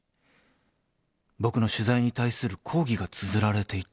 ［僕の取材に対する抗議がつづられていた］